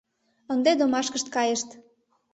Ынде домашкышт кайышт.